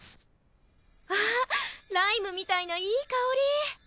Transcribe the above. あっライムみたいないい香り！